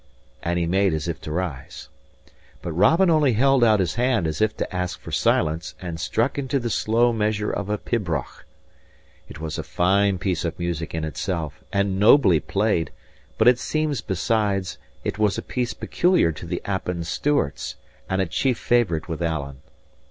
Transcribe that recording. And he made as if to rise. But Robin only held out his hand as if to ask for silence, and struck into the slow measure of a pibroch. It was a fine piece of music in itself, and nobly played; but it seems, besides, it was a piece peculiar to the Appin Stewarts and a chief favourite with Alan.